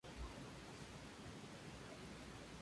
Dándose así respuesta afirmativa a la segunda pregunta.